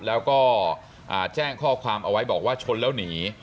แล้วก็แจ้งข้อความเอาไว้บอกว่าชนแล้วหนี